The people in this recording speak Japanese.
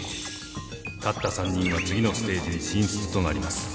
勝った３人は次のステージに進出となります。